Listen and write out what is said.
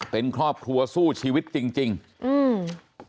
เป็นครอบครัวสู้ชีวิตจริงจริงอืม